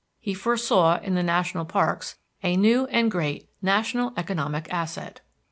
He foresaw in the national parks a new and great national economic asset.